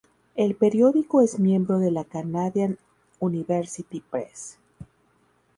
El periódico es miembro de la Canadian University Press.